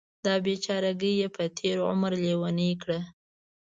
دا بیچارګۍ یې په تېر عمر لیونۍ کړه.